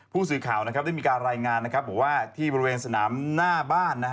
ผู้สื่อข่าวได้มีการรายงานนะครับบอกว่าที่บริเวณสนามหน้าบ้าน